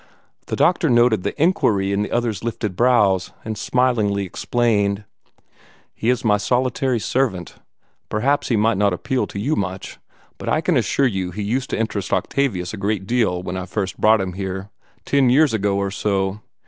The doctor noted the inquiry in the other's lifted brows, and smilingly explained. "He is my solitary servant. Possibly he might not appeal to you much; but I can assure you he used to interest Octavius a great deal when I first brought him here, ten years ago or so.